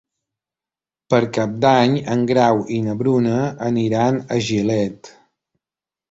Per Cap d'Any en Grau i na Bruna aniran a Gilet.